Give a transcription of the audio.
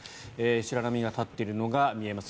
白波が立っているのが見えます。